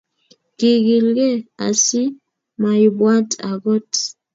Kiikilkei asimaibwat agot